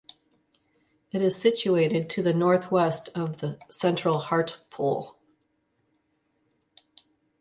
It is situated to the north-west of central Hartlepool.